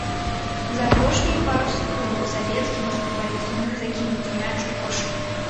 За апошнія пару секунд савецкі баскетбаліст змог закінуць мяч у кошык.